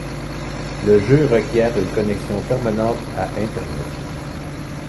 Le jeu requiert une connexion permanente à Internet.